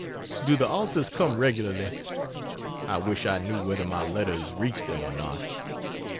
Do the Alta's come regularly? I wish I knew whether my letters reach them or not.